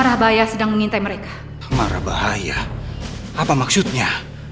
jagalah anak dan istrimu dengan baik rahmatnya